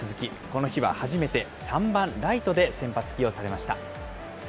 この日は初めて３番ライトで先発起用されました。